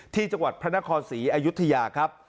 ที่จพะนครศรีอยุธรยาครับ